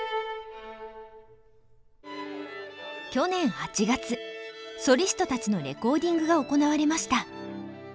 去年８月ソリストたちのレコーディングが行われました。